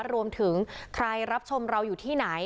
รวมถึงใครรับชมเราอยู่ที่ไหน